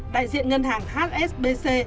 đại diện ngân hàng hsbc